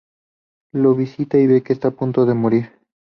Lo visita y ve que está a punto de morir.